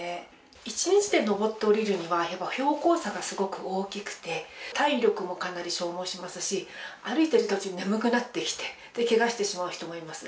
一日で登って下りるのは、標高差がすごく大きくて、体力もかなり消耗しますし、歩いている途中に眠くなってきて、けがしてしまう人もいます。